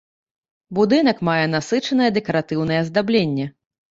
Будынак мае насычанае дэкаратыўнае аздабленне.